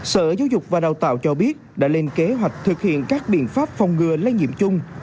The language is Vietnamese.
sở giáo dục và đào tạo cho biết đã lên kế hoạch thực hiện các biện pháp phòng ngừa lây nhiễm chung